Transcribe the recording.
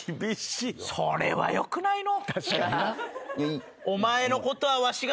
それはよくないのう。